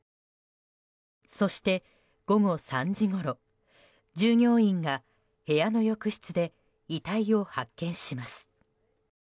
そして、午後３時ごろ従業員が部屋の浴室で遺体を発見します。